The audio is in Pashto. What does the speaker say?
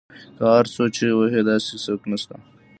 که هر څو چیغې وهي داسې څوک نشته